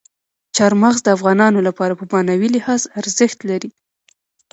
چار مغز د افغانانو لپاره په معنوي لحاظ ارزښت لري.